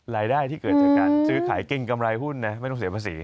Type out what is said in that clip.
รายได้ที่เกิดจากการซื้อขายเกรงกำไรหุ้นนะไม่ต้องเสียภาษี